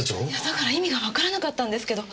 だから意味がわからなかったんですけど。